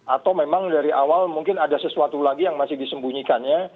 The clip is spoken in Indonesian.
atau memang dari awal mungkin ada sesuatu lagi yang masih disembunyikannya